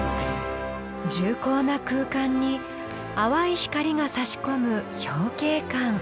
重厚な空間に淡い光がさし込む表慶館。